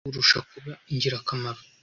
Ni umurimo utagira uwurusha kuba ingirakamaro